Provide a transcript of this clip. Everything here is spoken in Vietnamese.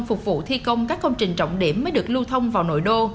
các xe bồn phục vụ thi công các công trình trọng điểm mới được lưu thông vào nội đô